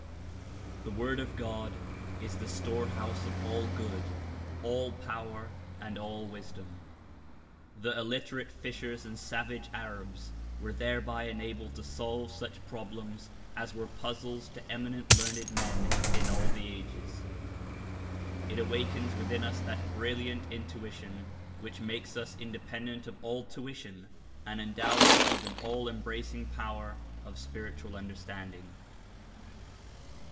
The Word of God is the storehouse of all good, all power and all wisdom. The illiterate fishers and savage Arabs were thereby enabled to solve such problems as were puzzles to eminent learned men in all the ages. It awakens within us that brilliant in tuition which makes us independent of all tuition and endows us with an all embracing power of spiritual understanding.